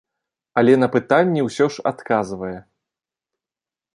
Але на пытанні ўсё ж адказвае.